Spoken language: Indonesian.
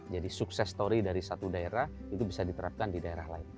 jadi sukses story dari satu daerah itu bisa diterapkan di daerah lain